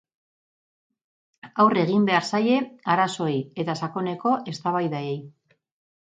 Aurre egin behar zaie arazoei eta sakoneko eztabaidei.